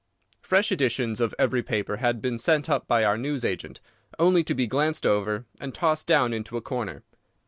Fresh editions of every paper had been sent up by our news agent, only to be glanced over and tossed down into a corner.